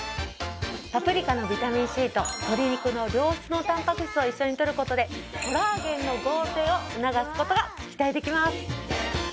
パプリカのビタミンＣと鶏肉の良質のたんぱく質を一緒にとることでコラーゲンの合成を促すことが期待できます。